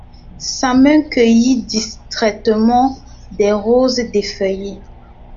Sa main cueillit distraitement des roses défeuillées.